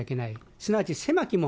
すなわち狭き門。